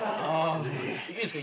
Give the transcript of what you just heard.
いいっすか？